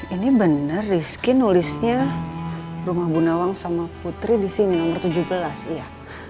ini bener risky nulisnya rumah bunawang sama putri disini nomor tujuh belas iya